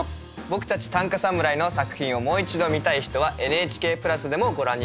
僕たち短歌侍の作品をもう一度見たい人はＮＨＫプラスでもご覧になれます。